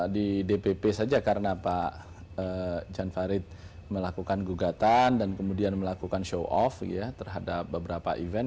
di dpp saja karena pak jan farid melakukan gugatan dan kemudian melakukan show off terhadap beberapa event